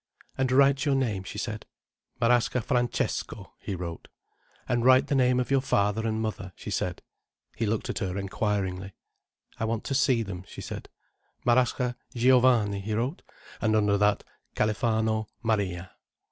"And write your name," she said. "Marasca Francesco," he wrote. "And write the name of your father and mother," she said. He looked at her enquiringly. "I want to see them," she said. "Marasca Giovanni," he wrote, and under that "Califano Maria."